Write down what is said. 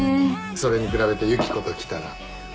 それに比べてユキコと来たら。